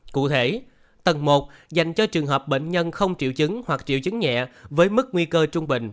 cụ thể tầng một dành cho trường hợp bệnh nhân không triệu chứng hoặc triệu chứng nhẹ với mức nguy cơ trung bình